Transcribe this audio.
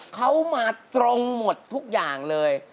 เขามาตรงหมดทุกอย่างเลย